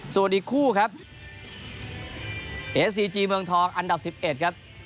สวัสดีคู่ครับเอสซีจีเมืองทองอันดับสิบเอ็ดครับ